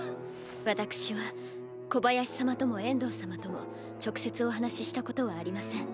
私はコバヤシ様ともエンドー様とも直接お話ししたことはありません。